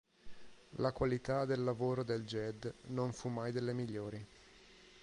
La qualità del lavoro del Ged non fu mai delle migliori.